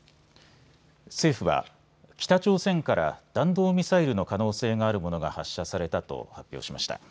政府は北朝鮮から弾道ミサイルの可能性があるものが発射されたと発表しました。